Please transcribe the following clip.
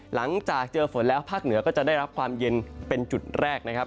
หลังจากเจอฝนแล้วภาคเหนือก็จะได้รับความเย็นเป็นจุดแรกนะครับ